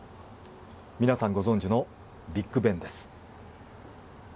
皆さんご存じのビッグベンです。